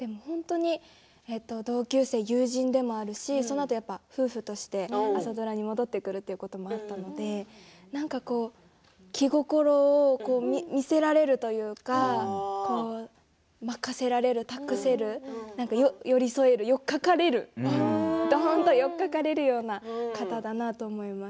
同級生、友人でもあるしそのあと夫婦として朝ドラに戻ってくることもあったので気心を見せられるというか任せられる、託せる寄り添える、寄りかかれるどーんと寄りかかれるような方だなと思います。